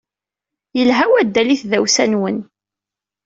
Yelha waddal i tdawsa-nwen.